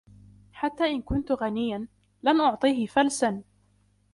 حتى إن كنت غنيًا، لن أعطيه فلسًا